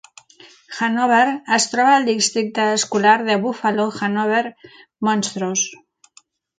Hannover es troba al districte escolar de Buffalo-Hanover-Montrose.